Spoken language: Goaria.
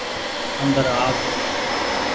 اندر آو۔